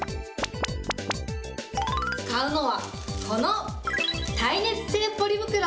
使うのは、この耐熱性ポリ袋。